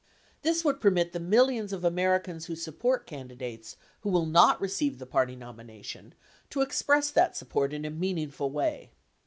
This would permit the millions of Americans who support candidates who will not re ceive the party nomination to express that support in a meaningful way.